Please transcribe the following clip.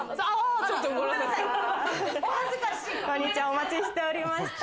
お待ちしておりました。